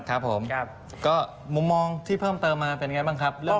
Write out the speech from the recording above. ครับผมก็มุมมองที่เพิ่มเติมมาเป็นไงบ้างครับ